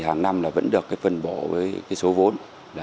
hàng năm vẫn được phân bổ với số vốn